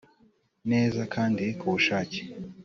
neza kandi ku bushake